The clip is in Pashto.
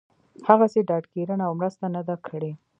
هغسې ډاډ ګيرنه او مرسته نه ده کړې